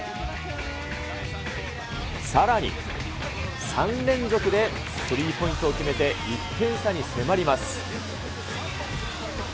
さらに３連続でスリーポイントを決めて、１点差に迫ります。